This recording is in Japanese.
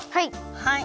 はい。